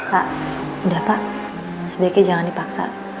pak udah pak sebaiknya jangan dipaksa